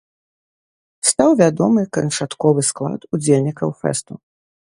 Стаў вядомы канчатковы склад удзельнікаў фэсту.